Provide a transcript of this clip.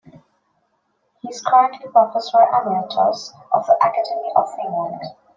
He is currently professor emeritus of the Academy of Finland.